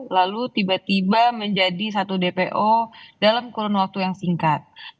lalu tiba tiba menjadi satu dpo dalam kurun waktu yang singkat